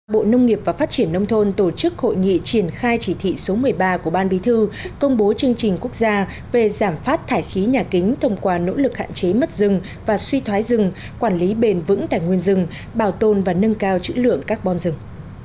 bộ nông nghiệp và phát triển nông thôn tổ chức hội nghị triển khai chỉ thị số một mươi ba của ban bí thư công bố chương trình quốc gia về giảm phát thải khí nhà kính thông qua nỗ lực hạn chế mất rừng và suy thoái rừng quản lý bền vững tài nguyên rừng bảo tồn và nâng cao chữ lượng carbon rừng